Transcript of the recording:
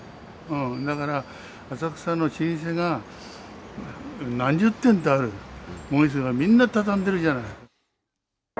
だから、浅草の老舗が、何十店とあるお店が、みんな畳んでるじゃない。